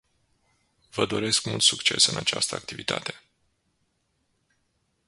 Vă doresc mult succes în această activitate.